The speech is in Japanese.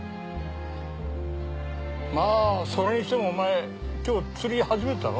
まあそれにしてもお前今日釣り初めてだろ？